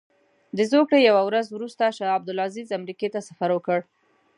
د زوکړې یوه ورځ وروسته شاه عبدالعزیز امریکې ته سفر وکړ.